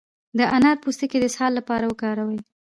د انار پوستکی د اسهال لپاره وکاروئ